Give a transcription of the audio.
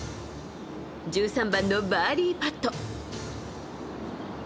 １３番のバーディーパット。